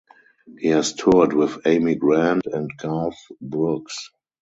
He has toured with Amy Grant and Garth Brooks.